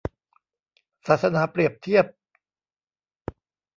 ศาสนาเปรียบเทียบ